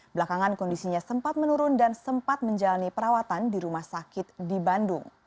belakangan kondisinya sempat menurun dan sempat menjalani perawatan di rumah sakit di bandung